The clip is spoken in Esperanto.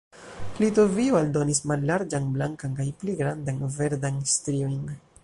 Litovio aldonis mallarĝan blankan kaj pli grandan verdan striojn.